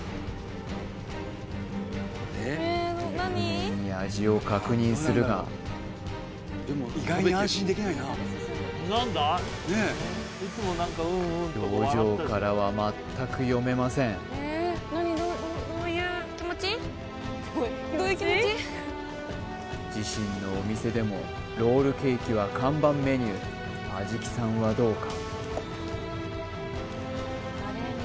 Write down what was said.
入念に味を確認するが表情からはまったく読めません自身のお店でもロールケーキは看板メニュー安食さんはどうか？